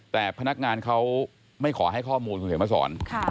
แต่พนักงานเขาไม่ขอให้ข้อมูลคุณเขียนมาสอน